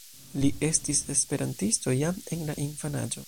Li estis esperantisto jam en la infanaĝo.